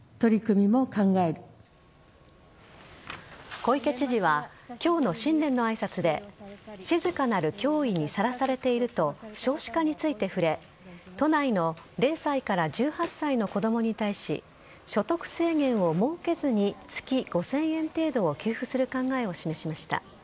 小池知事は今日の新年の挨拶で静かなる脅威にさらされていると少子化について触れ都内の０歳から１８歳の子供に対し所得制限を設けずに月５０００円程度を給付する考えを示しました。